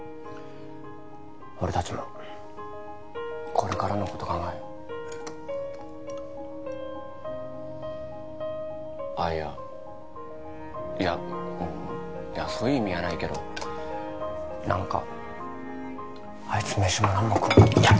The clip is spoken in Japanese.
俺達もこれからのこと考えようあっいやいやいやそういう意味やないけど何かあいつ飯も何もやっべ！